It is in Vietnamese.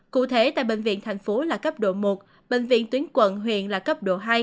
cụ thể tại bệnh viện thành phố là cấp độ một bệnh viện tuyến quận huyện là cấp độ hai